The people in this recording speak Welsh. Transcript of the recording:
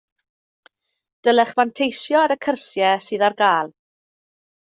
Dylech fanteisio ar y cyrsiau sydd ar gael